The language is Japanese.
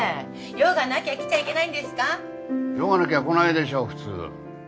用がなきゃ来ないでしょう普通。